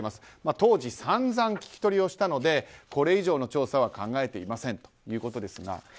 当時、散々聞き取りをしたのでこれ以上の調査は考えていませんということですが。